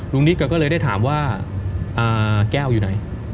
นิดก็เลยได้ถามว่าแก้วอยู่ไหน